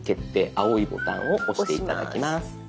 青いボタンを押して頂きます。